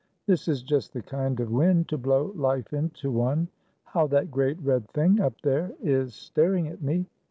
This is just the kind of wind to blow life into one. How that great red thing up there is star ing at me!